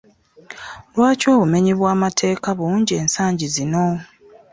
Lwaki obumenyi bw'amateeka bungi ensangi zino?